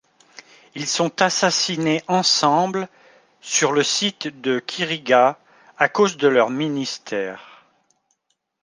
Ils sont assassinés ensemble sur le site de Quiriguá, à cause de leur ministère.